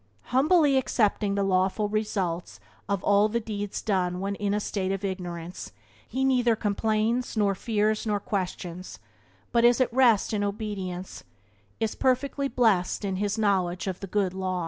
Humbly accepting the lawful results of all the deeds done when in a state of ignorance, he neither complains nor fears nor questions, but is at rest in obedience, is perfectly blessed in his knowledge of the Good Law.